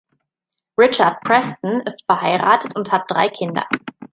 Richard Preston ist verheiratet und hat drei Kinder.